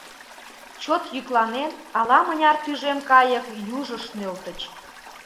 Чот йӱкланен, ала-мыняр тӱжем кайык южыш нӧлтыч.